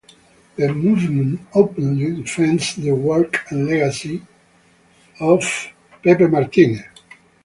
The movement openly defends the work and legacy of Augusto Pinochet.